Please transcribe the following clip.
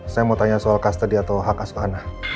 saya mau tanya soal custody atau hak asuhan